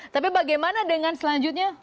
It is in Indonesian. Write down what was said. tapi bagaimana dengan selanjutnya